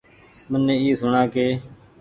مني اي سوڻآ ڪي